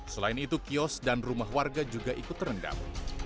selain itu kios dan rumah warga juga ikut terendam